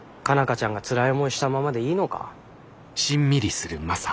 花ちゃんがつらい思いしたままでいいのか？